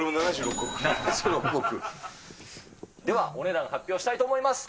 ではお値段、発表したいと思います。